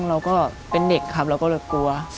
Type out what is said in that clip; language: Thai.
เราก็เป็นเด็กครับเราก็เลยกลัว